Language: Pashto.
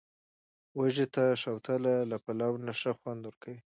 وږي ته، شوتله له پلاو نه ښه خوند ورکوي.